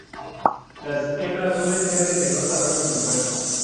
Las hembras suelen ser de menor tamaño que los machos.